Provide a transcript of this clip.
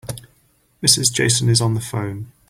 Mrs. Jason is on the phone.